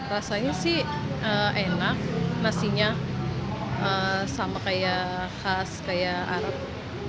rasanya sih enak nasinya sama kayak khas kayak arab